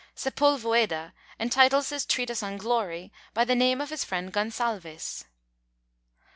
Sepulvueda entitles his Treatise on Glory by the name of his friend Gonsalves.